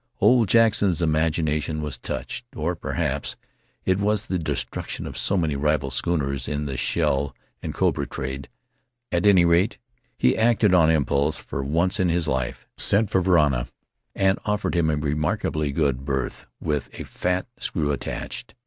Old Jackson's imagination was touched, or perhaps it was the destruction of so many rival schooners in the shell and copra trade — at any rate, he acted on impulse for once in his life, sent for Varana, and offered him a remarkably good berth with a fat screw attached.